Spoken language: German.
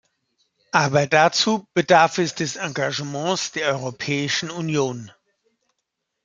Aber dazu bedarf es des Engagements der Europäischen Union.